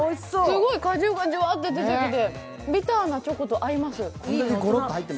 すごい果汁がじゅわって出てきてビターなチョコと合います。